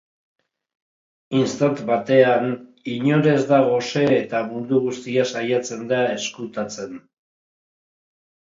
Instant batean, inor ez da gose eta mundu guztia saiatzen da ezkutatzen.